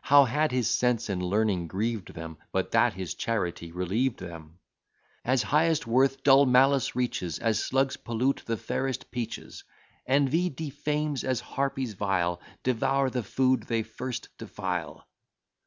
How had his sense and learning grieved them, But that his charity relieved them! "At highest worth dull malice reaches, As slugs pollute the fairest peaches: Envy defames, as harpies vile Devour the food they first defile."